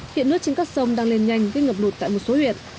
hiện nước trên các sông đang lên nhanh gây ngập lụt tại một số huyện